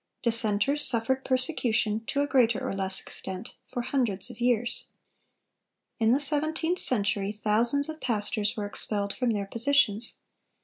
Dissenters suffered persecution, to a greater or less extent, for hundreds of years. In the seventeenth century thousands of pastors were expelled from their positions.